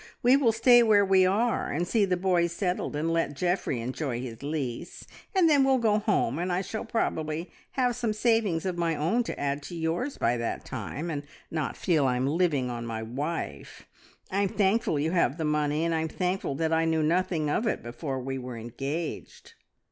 We will stay where we are and see the boys settled, and let Geoffrey enjoy his lease, and then we'll go home, and I shall probably have some savings of my own to add to yours by that time, and not feel I am living on my wife. I'm thankful you have the money, and I'm thankful that I knew nothing of it before we were engaged."